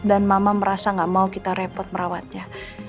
dan mama merasa gak mau kita repot merawatnya